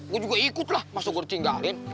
gue juga ikutlah masa gue cinggalin